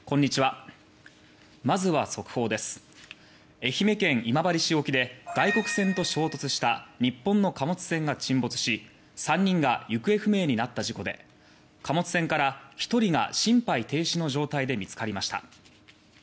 愛媛県今治市沖で外国船と衝突した日本の貨物船が沈没し３人が行方不明になった事故で貨物船から１人が心肺停止の状態で見つかりました